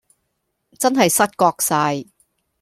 真係失覺哂